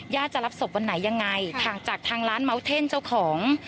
ญาติจะรับศพวันไหนยังไงห่างจากทางร้านเจ้าของ